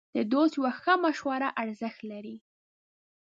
د دوست یوه ښه مشوره ارزښت لري.